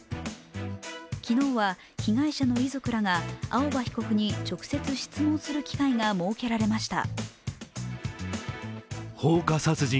昨日は、被害者の遺族らが青葉被告に直接質問する機会が設けられました